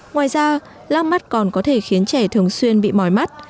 ngoài ra lau mắt còn có thể khiến trẻ thường xuyên bị mỏi mắt